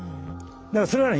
だからそれはね